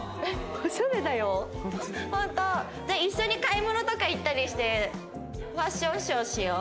じゃあ一緒に買い物とか行ったりしてファッションショーしよう。